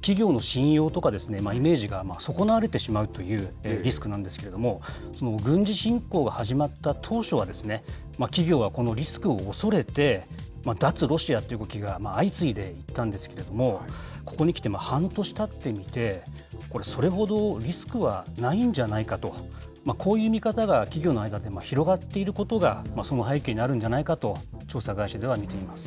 企業の信用とかイメージが損なわれてしまうというリスクなんですけれども、軍事侵攻が始まった当初は、企業がこのリスクを恐れて、脱ロシアという動きが相次いでいったんですけれども、ここにきて半年たってみて、これ、それほどリスクはないんじゃないかと、こういう見方が企業の間で広がっていることが、その背景にあるんじゃないかと、調査会社では見ています。